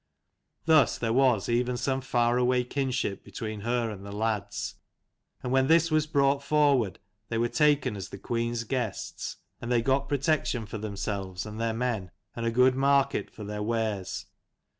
Thus there was even some far away kinship between her and the lads ; and when this was brought forward they were taken as the queen's guests, and they got protection for themselves and their men, and a good market for their wares.